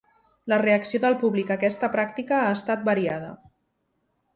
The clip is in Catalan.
La reacció del públic a aquesta pràctica ha estat variada.